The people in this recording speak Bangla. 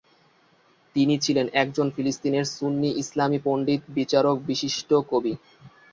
তিনি ছিলেন একজন ফিলিস্তিনের সুন্নি ইসলামি পণ্ডিত, বিচারক, বিশিষ্ট কবি।